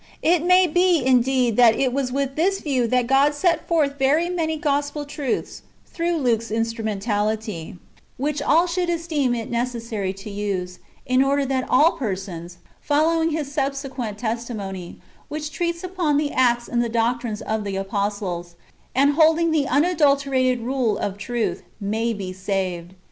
It may be, indeed, that it was with this view that God set forth very many gospel truths, through Luke's instrumentality, which all should esteem it necessary to use, in order that all persons, following his subsequent testimony, which treats upon the acts and the doctrine of the apostles, and holding the unadulterated rule of truth, may be saved.